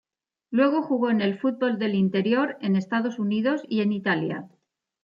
Luego jugó en el fútbol del interior, en Estados Unidos y en Italia.